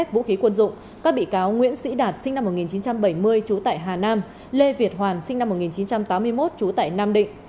các vũ khí quân dụng các bị cáo nguyễn sĩ đạt sinh năm một nghìn chín trăm bảy mươi trú tại hà nam lê việt hoàn sinh năm một nghìn chín trăm tám mươi một trú tại nam định